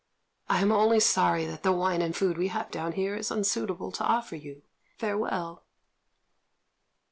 I am only sorry that the wine and food we have down here is unsuitable to offer you. Farewell."